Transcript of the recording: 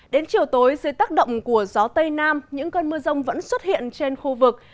đến chiều tối dưới tác động của gió tây nam những cơn mưa rông vẫn xuất hiện trên khu vực